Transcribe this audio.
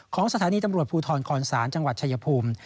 สถานีตำรวจภูทรคอนศาลจังหวัดชายภูมิ